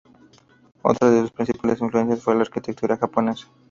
Otras de sus principales influencias fue la arquitectura japonesa.